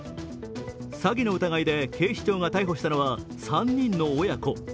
詐欺の疑いで警視庁が逮捕されたのは３人の親子。